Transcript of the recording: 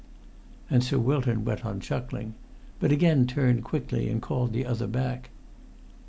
And Sir Wilton went on chuckling, but again turned quickly and called the other back.